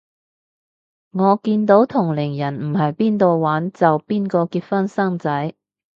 我見到同齡人唔係邊到玩就邊個結婚生仔